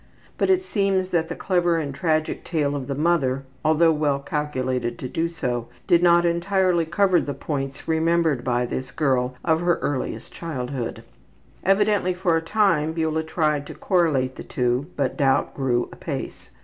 But it seems that the clever and tragic tale of the mother, although well calculated to do so, did not entirely cover the points remembered by this girl of her earliest childhood. Evidently for a time Beula tried to correlate the two, but doubt grew apace.